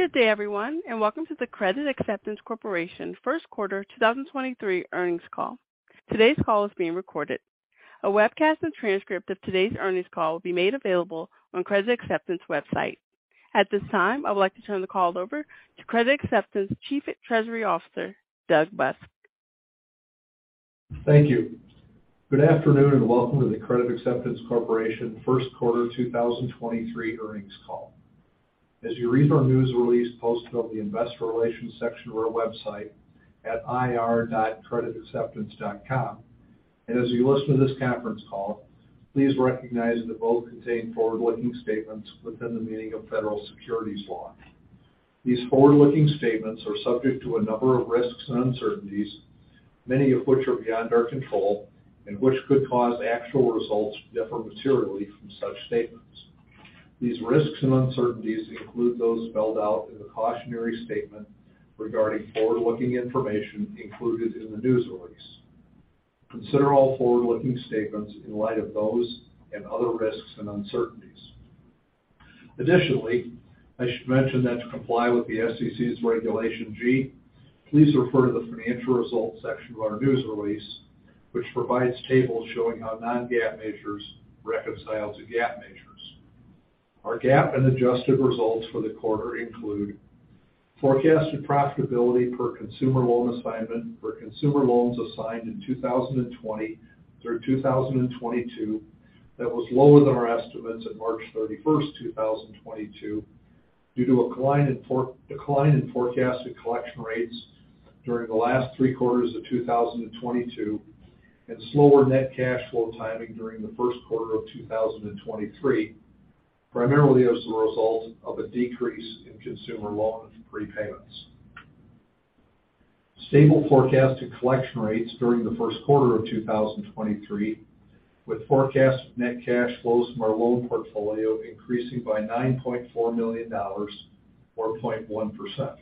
Good day, everyone, welcome to the Credit Acceptance Corporation First Quarter 2023 earnings call. Today's call is being recorded. A webcast and transcript of today's earnings call will be made available on Credit Acceptance website. At this time, I would like to turn the call over to Credit Acceptance Chief Treasury Officer, Doug Busk. Thank you. Good afternoon, and welcome to the Credit Acceptance Corporation First Quarter 2023 earnings call. As you read our news release posted on the investor relations section of our website at ir.creditacceptance.com, and as you listen to this conference call, please recognize that both contain forward-looking statements within the meaning of federal securities law. These forward-looking statements are subject to a number of risks and uncertainties, many of which are beyond our control and which could cause actual results to differ materially from such statements. These risks and uncertainties include those spelled out in the cautionary statement regarding forward-looking information included in the news release. Consider all forward-looking statements in light of those and other risks and uncertainties. Additionally, I should mention that to comply with the SEC's Regulation G, please refer to the Financial Results section of our news release, which provides tables showing how non-GAAP measures reconcile to GAAP measures. Our GAAP and adjusted results for the quarter include forecasted profitability per consumer loan assignment for consumer loans assigned in 2020 through 2022 that was lower than our estimates at March 31, 2022 due to a decline in forecasted collection rates during the last three quarters of 2022 and slower net cash flow timing during the first quarter of 2023, primarily as the result of a decrease in consumer loan prepayments. Stable forecasted collection rates during the first quarter of 2023, with forecast net cash flows from our loan portfolio increasing by $9.4 million or 0.1%.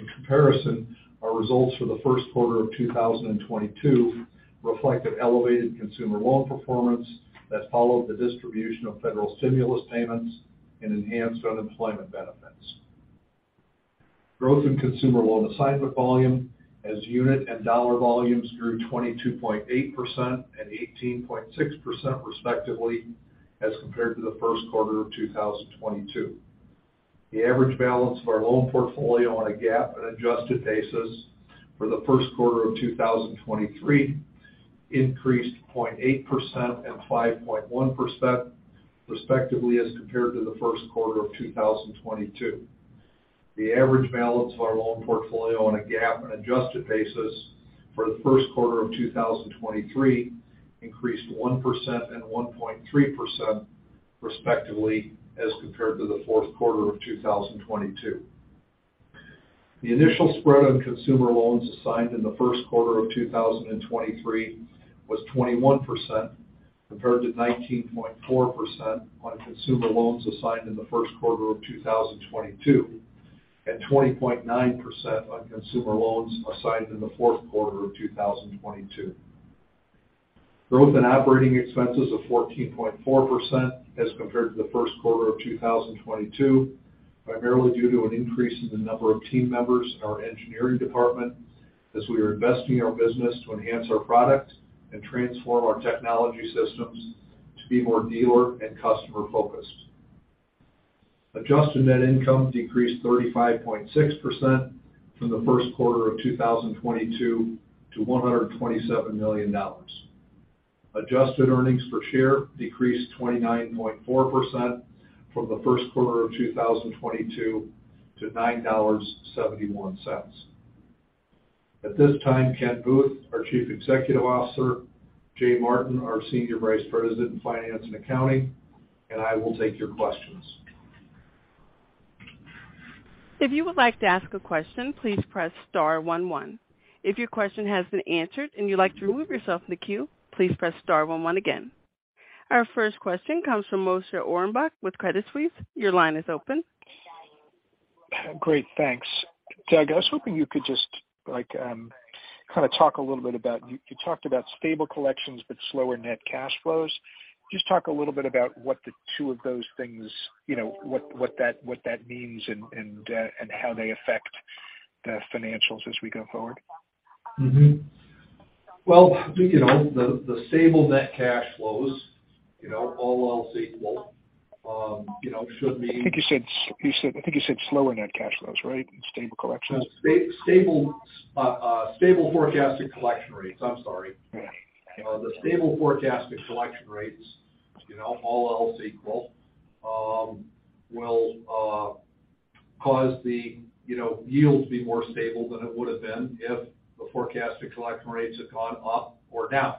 In comparison, our results for the first quarter of 2022 reflect an elevated consumer loan performance that followed the distribution of federal stimulus payments and enhanced unemployment benefits. Growth in consumer loan assignment volume as unit and dollar volumes grew 22.8% and 18.6%, respectively, as compared to the first quarter of 2022. The average balance of our loan portfolio on a GAAP and adjusted basis for the first quarter of 2023 increased 0.8% and 5.1% respectively as compared to the first quarter of 2022. The average balance of our loan portfolio on a GAAP and adjusted basis for the first quarter of 2023 increased 1% and 1.3% respectively as compared to the fourth quarter of 2022. The initial spread on consumer loans assigned in the first quarter of 2023 was 21% compared to 19.4% on consumer loans assigned in the first quarter of 2022, and 20.9% on consumer loans assigned in the fourth quarter of 2022. Growth in operating expenses of 14.4% as compared to the first quarter of 2022, primarily due to an increase in the number of team members in our engineering department as we are investing in our business to enhance our product and transform our technology systems to be more dealer and customer-focused. Adjusted net income decreased 35.6% from the first quarter of 2022 to $127 million. Adjusted earnings per share decreased 29.4% from the first quarter of 2022 to $9.71. At this time, Ken Booth, our Chief Executive Officer, Jay Martin, our Senior Vice President in Finance and Accounting, and I will take your questions. If you would like to ask a question, please press star one one. If your question has been answered and you'd like to remove yourself from the queue, please press star one one again. Our first question comes from Moshe Orenbuch with Credit Suisse. Your line is open. Great. Thanks. Doug, You talked about stable collections but slower net cash flows. Just talk a little bit about what the two of those things, you know, what that means and how they affect the financials as we go forward. Well, you know, the stable net cash flows, you know, all else equal, you know, should mean- I think you said slower net cash flows, right? Stable collections. Stable forecasted collection rates. I'm sorry. Yeah. You know, the stable forecasted collection rates, you know, all else equal, will cause the, you know, yields to be more stable than it would have been if the forecasted collection rates had gone up or down.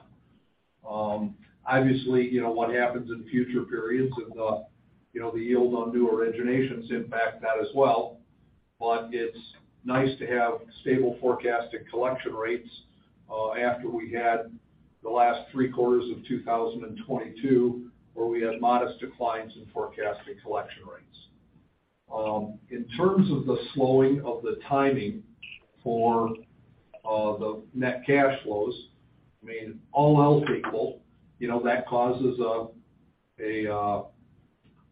Obviously, you know, what happens in future periods and the, you know, the yield on new originations impact that as well, but it's nice to have stable forecasted collection rates, after we had the last 3 quarters of 2022, where we had modest declines in forecasted collection rates. In terms of the slowing of the timing for the net cash flows, I mean, all else equal, you know, that causes a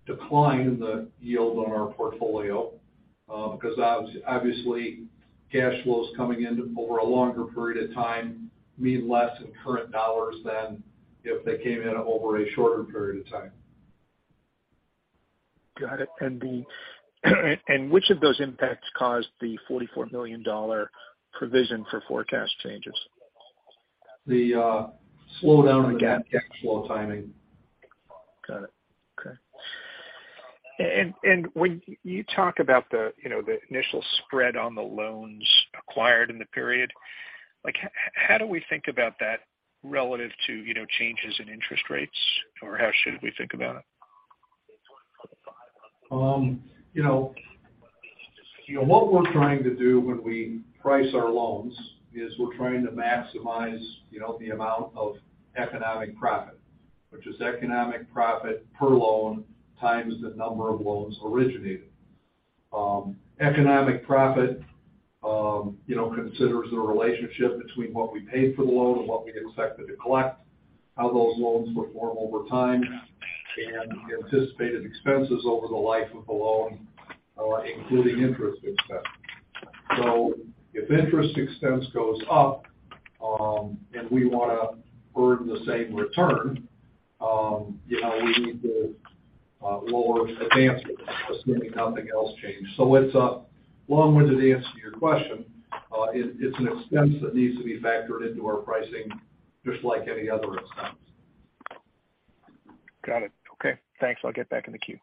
decline in the yield on our portfolio, because obviously cash flows coming in over a longer period of time mean less in current dollars than if they came in over a shorter period of time. Got it. Which of those impacts caused the $44 million provision for forecast changes? The slowdown in GAAP cash flow timing. Got it. Okay. When you talk about the, you know, the initial spread on the loans acquired in the period, like, how do we think about that relative to, you know, changes in interest rates, or how should we think about it? You know, what we're trying to do when we price our loans is we're trying to maximize, you know, the amount of economic profit, which is economic profit per loan times the number of loans originated. Economic profit, you know, considers the relationship between what we paid for the loan and what we expected to collect, how those loans perform over time, and anticipated expenses over the life of the loan, including interest expense. If interest expense goes up, and we wanna earn the same return, you know, we need to lower advances, assuming nothing else changed. It's a long-winded answer to your question. It's an expense that needs to be factored into our pricing just like any other expense. Got it. Okay. Thanks. I'll get back in the queue.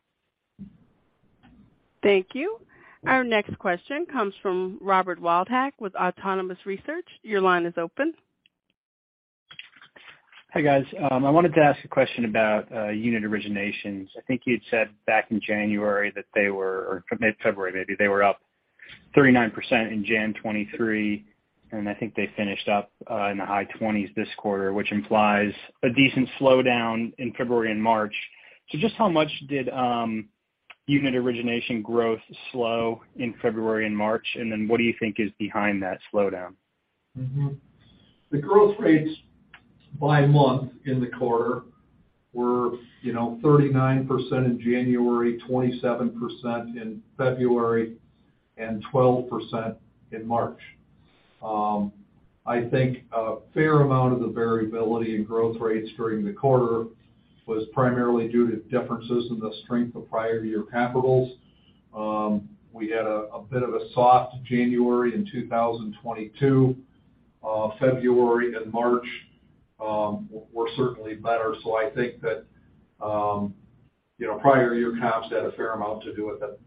Thank you. Our next question comes from Robert Wildhack with Autonomous Research. Your line is open. Hi, guys. I wanted to ask a question about unit originations. I think you had said back in January that Or mid-February, maybe they were up 39% in January 2023, and I think they finished up in the high 20s this quarter, which implies a decent slowdown in February and March. Just how much did unit origination growth slow in February and March? What do you think is behind that slowdown? The growth rates by month in the quarter were, you know, 39% in January, 27% in February, and 12% in March. I think a fair amount of the variability in growth rates during the quarter was primarily due to differences in the strength of prior year comparables. We had a bit of a soft January in 2022. February and March, were certainly better. I think that, you know, prior year comps had a fair amount to do with it.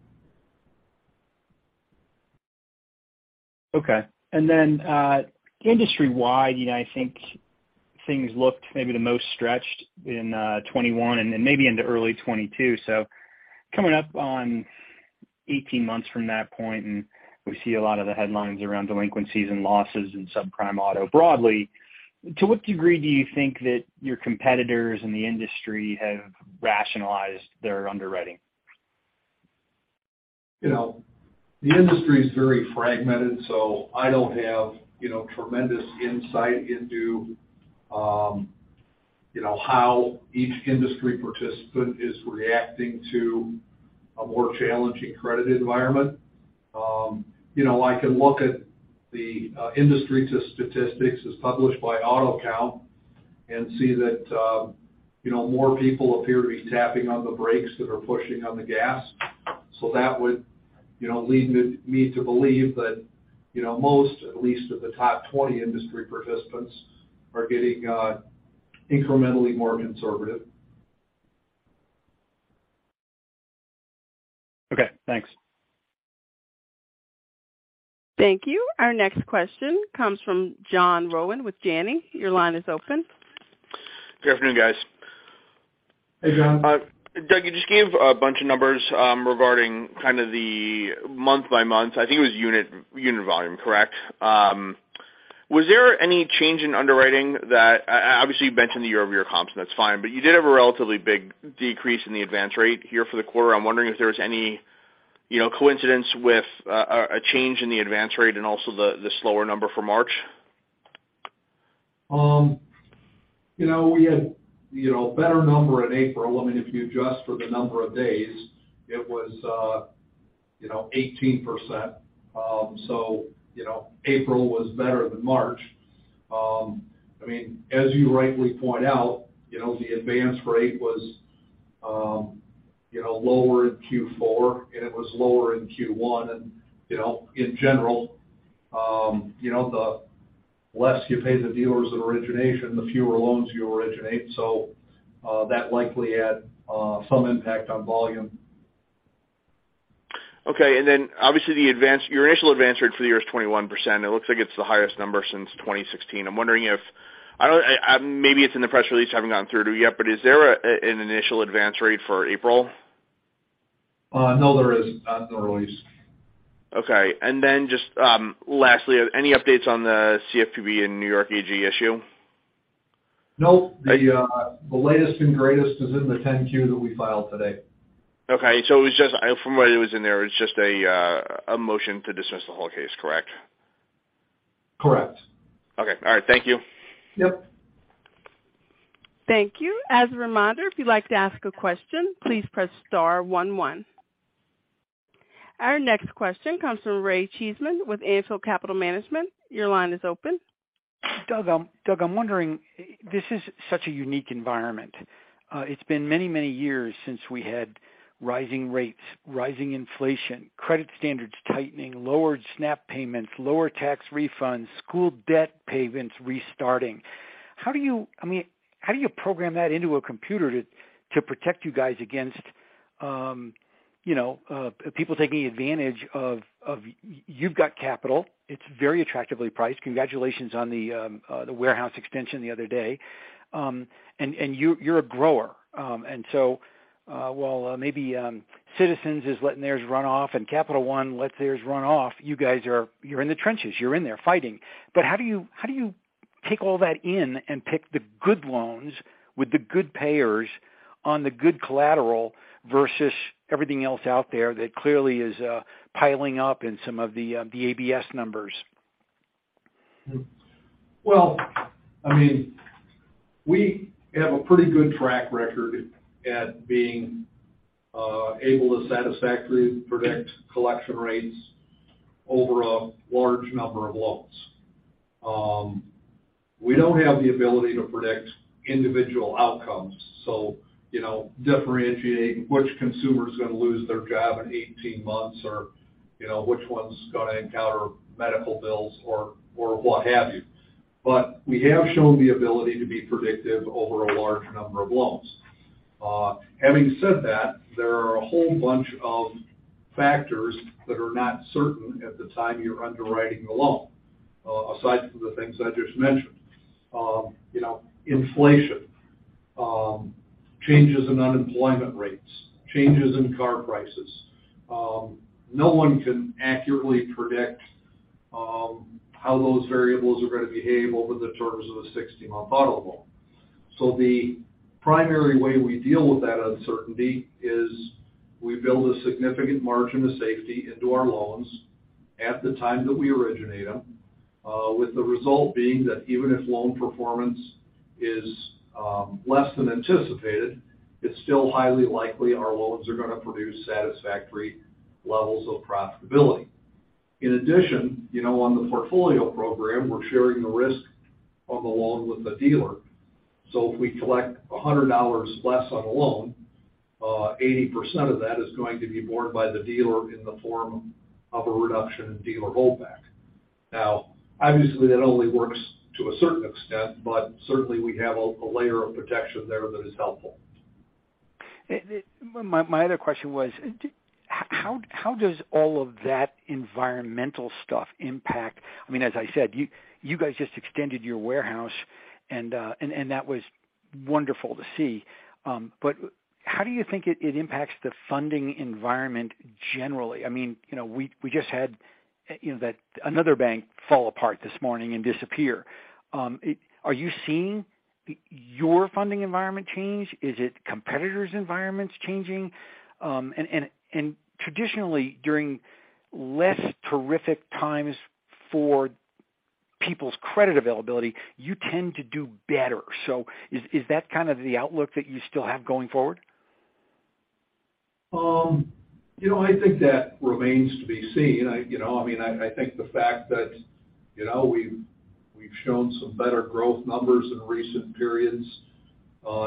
Okay. Then, industry-wide, you know, I think things looked maybe the most stretched in, 2021 and then maybe into early 2022. Coming up on 18 months from that point, and we see a lot of the headlines around delinquencies and losses in subprime auto broadly, to what degree do you think that your competitors in the industry have rationalized their underwriting? You know, the industry is very fragmented, so I don't have, you know, tremendous insight into, you know, how each industry participant is reacting to a more challenging credit environment. You know, I can look at the industry statistics as published by AutoCount and see that, you know, more people appear to be tapping on the brakes than are pushing on the gas. That would, you know, lead me to believe that, you know, most, at least of the top 20 industry participants are getting incrementally more conservative. Okay, thanks. Thank you. Our next question comes from John Rowan with Janney. Your line is open. Good afternoon, guys. Hey, John. Doug, you just gave a bunch of numbers regarding kind of the month by month. I think it was unit volume, correct? Was there any change in underwriting that obviously you mentioned the year-over-year comps, and that's fine, but you did have a relatively big decrease in the advance rate here for the quarter. I'm wondering if there was any, you know, coincidence with a change in the advance rate and also the slower number for March. You know, we had, you know, a better number in April. I mean, if you adjust for the number of days, it was, you know, 18%. You know, April was better than March. I mean, as you rightly point out, you know, the advance rate was, you know, lower in Q4, and it was lower in Q1. You know, in general, you know, the less you pay the dealers in origination, the fewer loans you originate. That likely had some impact on volume. Okay. Obviously your initial advance rate for the year is 21%. It looks like it's the highest number since 2016. I'm wondering if. I don't. Maybe it's in the press release I haven't gotten through to yet. Is there an initial advance rate for April? no, there isn't. Not in the release. Okay. Then just, lastly, any updates on the CFPB and New York AG issue? No. The, the latest and greatest is in the 10-Q that we filed today. Okay. It was just from what it was in there, it's just a motion to dismiss the whole case, correct? Correct. Okay. All right. Thank you. Yep. Thank you. As a reminder, if you'd like to ask a question, please press star one. Our next question comes from Ray Cheesman with Anfield Capital Management. Your line is open. Doug, I'm wondering, this is such a unique environment. It's been many, many years since we had rising rates, rising inflation, credit standards tightening, lowered SNAP payments, lower tax refunds, school debt payments restarting. How do you, I mean, how do you program that into a computer to protect you guys against, you know, people taking advantage of? You've got capital. It's very attractively priced. Congratulations on the warehouse extension the other day. You're a grower. While maybe, Citizens is letting theirs run off and Capital One lets theirs run off, you guys are. You're in the trenches. You're in there fighting. How do you take all that in and pick the good loans with the good payers on the good collateral versus everything else out there that clearly is piling up in some of the ABS numbers? I mean, we have a pretty good track record at being able to satisfactorily predict collection rates over a large number of loans. We don't have the ability to predict individual outcomes. You know, differentiating which consumer is gonna lose their job in 18 months or, you know, which one's gonna encounter medical bills or what have you. We have shown the ability to be predictive over a large number of loans. Having said that, there are a whole bunch of factors that are not certain at the time you're underwriting the loan, aside from the things I just mentioned. You know, inflation, changes in unemployment rates, changes in car prices. No one can accurately predict how those variables are gonna behave over the terms of a 60-month auto loan. The primary way we deal with that uncertainty is we build a significant margin of safety into our loans at the time that we originate them, with the result being that even if loan performance is less than anticipated, it's still highly likely our loans are gonna produce satisfactory levels of profitability. In addition, you know, on the Portfolio Program, we're sharing the risk of the loan with the dealer. If we collect $100 less on a loan, 80% of that is going to be borne by the dealer in the form of a reduction in dealer holdback. Now, obviously, that only works to a certain extent, but certainly we have a layer of protection there that is helpful. My other question was, How does all of that environmental stuff impact? I mean, as I said, you guys just extended your warehouse, and that was wonderful to see. How do you think it impacts the funding environment generally? I mean, you know, we just had, you know, another bank fall apart this morning and disappear. Are you seeing your funding environment change? Is it competitors' environments changing? Traditionally, during less terrific times for people's credit availability, you tend to do better. Is that kind of the outlook that you still have going forward? You know, I think that remains to be seen. I, you know, I mean, I think the fact that, you know, we've shown some better growth numbers in recent periods,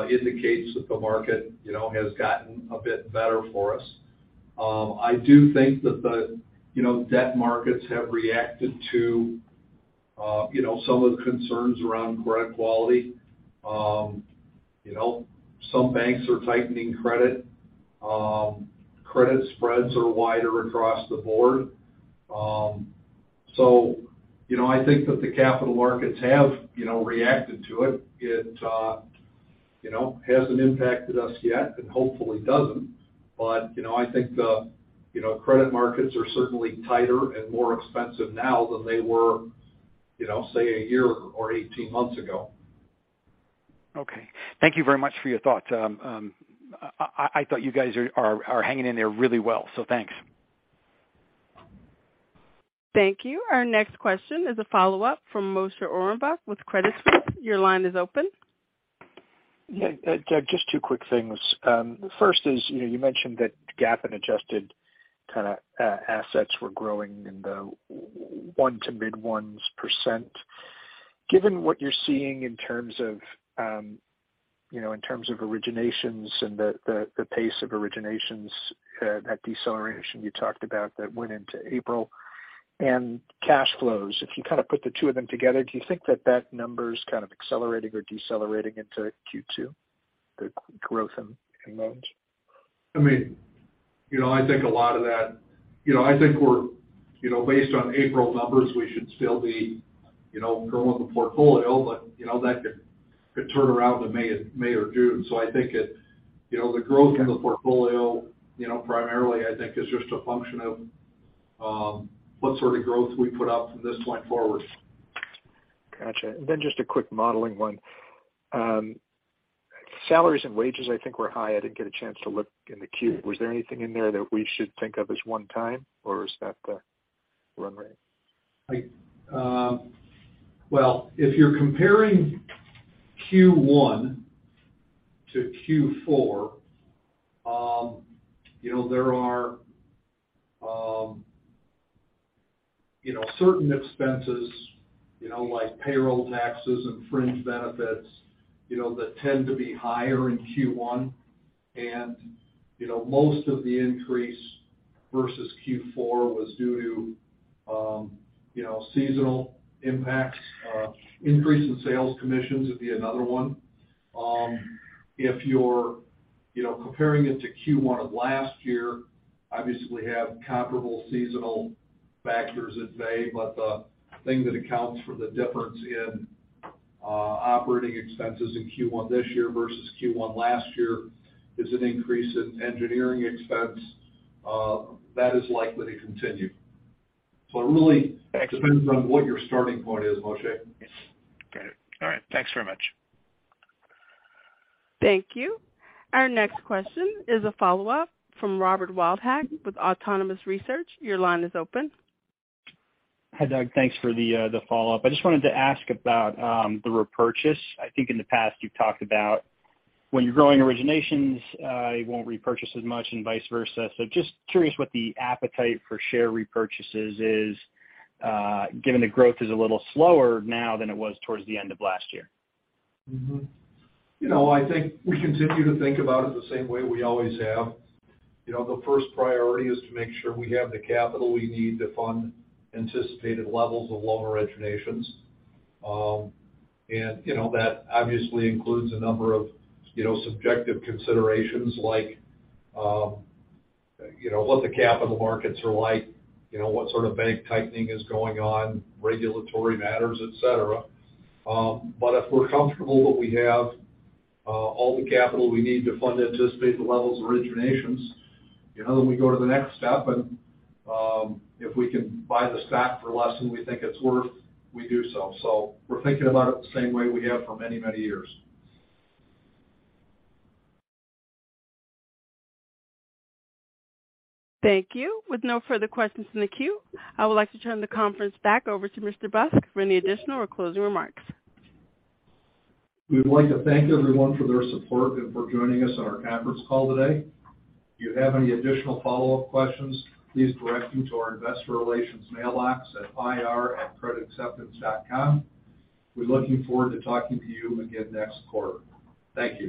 indicates that the market, you know, has gotten a bit better for us. I do think that the, you know, debt markets have reacted to, you know, some of the concerns around credit quality. You know, some banks are tightening credit. Credit spreads are wider across the board. I think that the capital markets have, you know, reacted to it. It, you know, hasn't impacted us yet and hopefully doesn't. I think the, you know, credit markets are certainly tighter and more expensive now than they were, you know, say, a year or 18 months ago. Okay. Thank you very much for your thoughts. I thought you guys are hanging in there really well, thanks. Thank you. Our next question is a follow-up from Moshe Orenbuch with Credit Suisse. Your line is open. Yeah. Doug, just two quick things. First is, you know, you mentioned that GAAP and adjusted kinda assets were growing in the 1% to mid-1s%. Given what you're seeing in terms of, you know, in terms of originations and the pace of originations, that deceleration you talked about that went into April and cash flows, if you kind of put the two of them together, do you think that that number is kind of accelerating or decelerating into Q2, the growth in loans? I mean, you know, I think a lot of that. You know, I think we're, you know, based on April numbers, we should still be, you know, growing the portfolio. You know, that could turn around in May or June. I think, you know, the growth in the portfolio, you know, primarily I think is just a function of what sort of growth we put up from this point forward. Gotcha. Just a quick modeling one. Salaries and wages, I think, were high. I didn't get a chance to look in the Q. Was there anything in there that we should think of as one time, or is that the run rate? Well, if you're comparing Q1 to Q4, you know, there are, you know, certain expenses, you know, like payroll taxes and fringe benefits, you know, that tend to be higher in Q1. You know, most of the increase versus Q4 was due to, you know, seasonal impacts. Increase in sales commissions would be another one. If you're, you know, comparing it to Q1 of last year, obviously we have comparable seasonal factors at bay, but the thing that accounts for the difference in operating expenses in Q1 this year versus Q1 last year is an increase in engineering expense that is likely to continue. It really depends on what your starting point is, Moshe. Yes. Got it. All right. Thanks very much. Thank you. Our next question is a follow-up from Robert Wildhack with Autonomous Research. Your line is open. Hi, Doug. Thanks for the follow-up. I just wanted to ask about the repurchase. I think in the past you've talked about when you're growing originations, you won't repurchase as much and vice versa. Just curious what the appetite for share repurchases is, given the growth is a little slower now than it was towards the end of last year. You know, I think we continue to think about it the same way we always have. You know, the first priority is to make sure we have the capital we need to fund anticipated levels of loan originations. That obviously includes a number of, you know, subjective considerations like, you know, what the capital markets are like, you know, what sort of bank tightening is going on, regulatory matters, et cetera. If we're comfortable that we have all the capital we need to fund anticipated levels of originations, you know, then we go to the next step, and if we can buy the stock for less than we think it's worth, we do so. We're thinking about it the same way we have for many, many years. Thank you. With no further questions in the queue, I would like to turn the conference back over to Mr. Busk for any additional or closing remarks. We'd like to thank everyone for their support and for joining us on our conference call today. If you have any additional follow-up questions, please direct them to our investor relations mailbox at ir@creditacceptance.com. We're looking forward to talking to you again next quarter. Thank you.